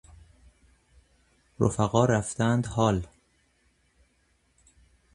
رفقا رفته اند حال